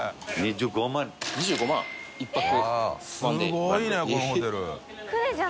すごいねこのホテル。